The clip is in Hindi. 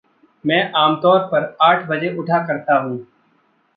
मैं आमतौर पर आठ बजे उठा करता हूँ।